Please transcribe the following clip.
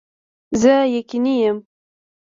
زه یقیني یم